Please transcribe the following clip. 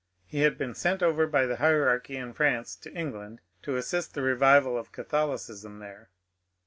He had been sent over by the hierarchy in France to England to assist the revival of Catholicism there.